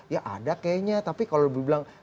ya ada kayaknya tapi kalau lebih bilang